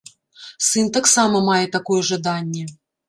Сын таксама мае такое жаданне.